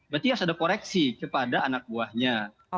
berarti harus ada koreksi kepada anak buahnya